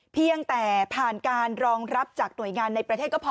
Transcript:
เพียงแต่ผ่านการรองรับจากหน่วยงานในประเทศก็พอ